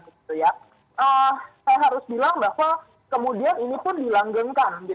saya harus bilang bahwa kemudian ini pun dilanggengkan